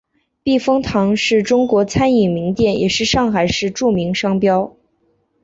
避风塘是中华餐饮名店也是上海市著名商标。